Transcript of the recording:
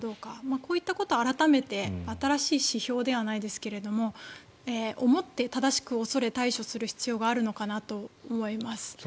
こういったことを改めて新しい指標ではないですけれども思って、正しく恐れ対処する必要があるのかなと思います。